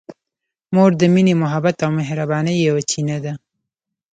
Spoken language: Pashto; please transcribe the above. مور د مینې، محبت او مهربانۍ یوه چینه ده.